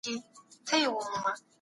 ما اورېدلي چي کار روان دی.